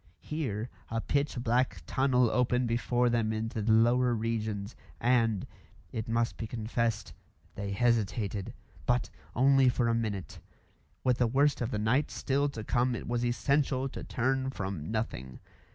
Here a pitch black tunnel opened before them into the lower regions, and it must be confessed they hesitated. But only for a minute. With the worst of the night still to come it was essential to turn from nothing.